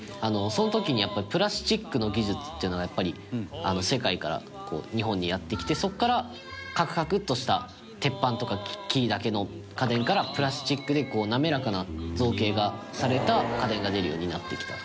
その時に、やっぱりプラスチックの技術っていうのがやっぱり、世界から日本にやってきてそこから、カクカクッとした鉄板とか、木だけの家電からプラスチックで滑らかな造形がされた家電が出るようになってきた。